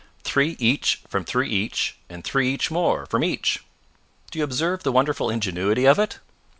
Three each from three each, and three each more from each! Do you observe the wonderful ingenuity of it?